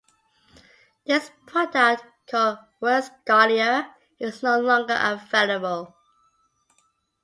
This product, called WordScholar, is no longer available.